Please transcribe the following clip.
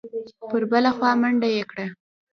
پر بله خوا منډه یې کړه.